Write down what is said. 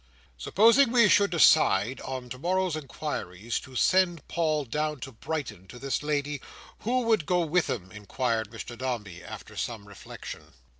"Supposing we should decide, on to morrow's inquiries, to send Paul down to Brighton to this lady, who would go with him?" inquired Mr Dombey, after some reflection.